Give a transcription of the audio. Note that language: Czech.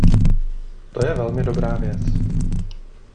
To je velmi dobrá věc.